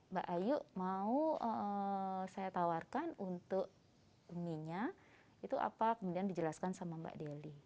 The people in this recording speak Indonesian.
mbak ayu mau saya tawarkan untuk mie nya itu apa kemudian dijelaskan sama mbak deli